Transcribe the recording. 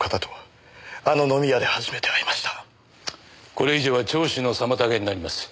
これ以上は聴取の妨げになります。